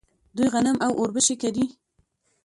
دوی غنم او وربشې کري.